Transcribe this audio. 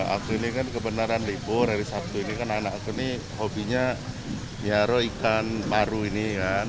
aku ini kan kebenaran libur hari sabtu ini kan anak aku ini hobinya nyaro ikan maru ini kan